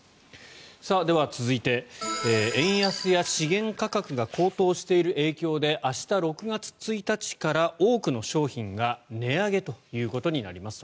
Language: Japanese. では続いて円安や資源価格が高騰している影響で明日６月１日から多くの商品が値上げということになります。